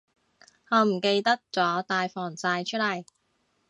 我唔記得咗帶防曬出嚟